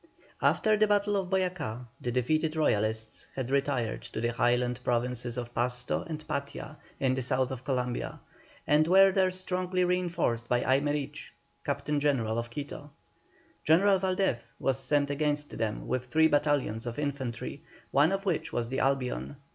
After the battle of Boyacá, the defeated Royalists had retreated to the Highland Provinces of Pasto and Patia, in the south of Columbia, and were there strongly reinforced by Aymerich, Captain General of Quito. General Valdez was sent against them, with three battalions of infantry, one of which was the Albion.